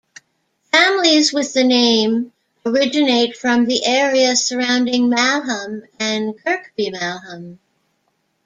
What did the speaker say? Families with the name originate from the area surrounding Malham and Kirkby Malham.